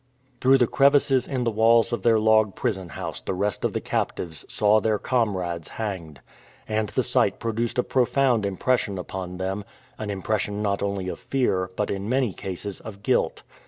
Through the crevices in the walls of their log prison house the rest of the captives saw their comrades hanged. And the sight produced a profound impression upon them, an impression not only of fear, but in many cases of guilt.